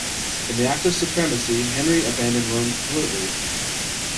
In the Act of Supremacy, Henry abandoned Rome completely.